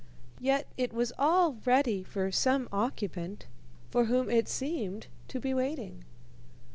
Yet it was all ready for some occupant, for whom it seemed to be waiting.